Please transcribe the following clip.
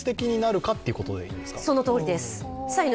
そのとおりです。